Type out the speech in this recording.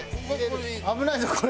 危ないぞこれ。